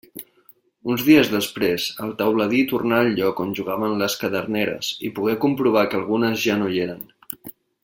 Uns dies després el teuladí tornà al lloc on jugaven les caderneres i pogué comprovar que algunes ja no hi eren.